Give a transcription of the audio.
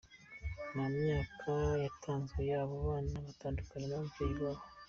Nta myaka yatanzwe y'abo bana batandukanye n'abavyeyi babo.